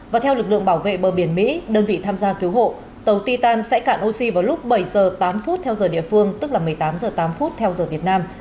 và theo lực lượng bảo vệ bờ biển mỹ đơn vị tham gia cứu hộ tàu titan sẽ cạn oxy vào lúc bảy giờ tám phút theo giờ địa phương tức là một mươi tám h tám theo giờ việt nam